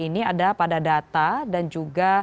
ini ada pada data dan juga